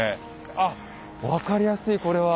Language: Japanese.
あっ分かりやすいこれは。